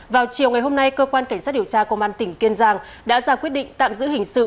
vào chiều ngày hôm nay cơ quan cảnh sát điều tra công an tỉnh kiên giang đã ra quyết định tạm giữ hình sự